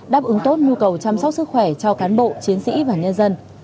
đáp ứng tốt nhu cầu chăm sóc sức khỏe cho cán bộ chiến sĩ và nhân dân